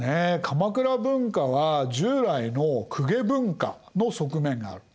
鎌倉文化は従来の公家文化の側面がある。